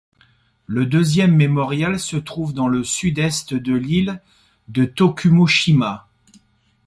Le deuxième mémorial se trouve dans le sud-est de l'île de Tokuno-shima.